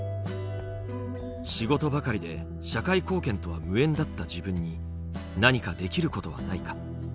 仕事ばかりで社会貢献とは無縁だった自分に何かできることはないか。